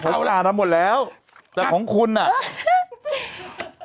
ของคนอ่านับหมดแล้วแต่ของคุณนะเออ